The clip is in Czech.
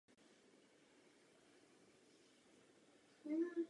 Funkci pak vykonával až do sklonku svého života.